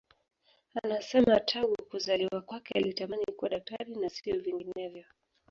Anasema tangu kuzaliwa kwake alitamani kuwa daktari na sio vinginevyo